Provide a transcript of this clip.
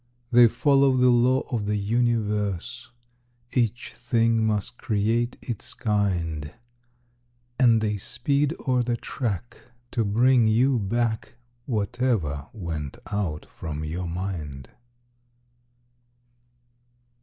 They follow the law of the universe— Each thing must create its kind; And they speed o'er the track to bring you back Whatever went out from your mind.